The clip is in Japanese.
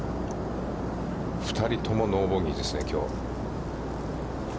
２人ともノーボギーですね、きょう。